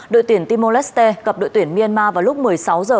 đội tuyển timor leste gặp đội tuyển myanmar vào lúc một mươi sáu h